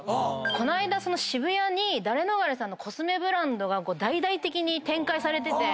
この間渋谷にダレノガレさんのコスメブランドが大々的に展開されてて。